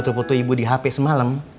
diputuh putuh ibu di hp semalem